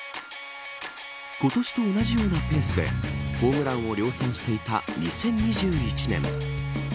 今年と同じようなペースでホームランを量産していた２０２１年。